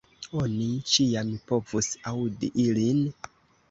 Oni ĉiam povus aŭdi ilin.